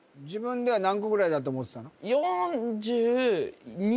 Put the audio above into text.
自分では何個ぐらいだと思ってたの？